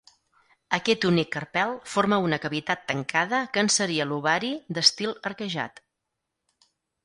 Aquest únic carpel forma una cavitat tancada que en seria l'ovari d'estil arquejat.